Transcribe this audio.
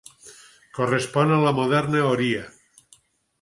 Correspon a la moderna Oria.